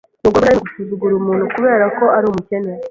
Ntugomba na rimwe gusuzugura umuntu kubera ko ari umukene.